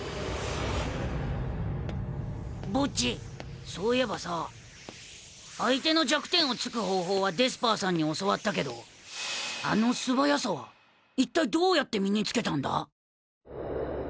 ボッジそういえばさ相手の弱点をつく方法はデスパーさんに教わったけどあの素早さはいったいどうやって身につけたんだ？